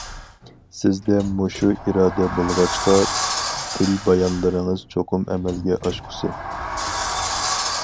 سىزدە مۇشۇ ئىرادە بولغاچقا، دىل بايانلىرىڭىز چوقۇم ئەمەلگە ئاشقۇسى.